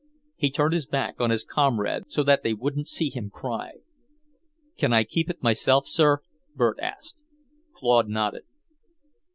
He turned his back on his comrades so that they wouldn't see him cry. "Can I keep it myself, sir?" Bert asked. Claude nodded.